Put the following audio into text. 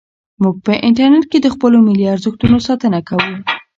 موږ په انټرنیټ کې د خپلو ملي ارزښتونو ساتنه کوو.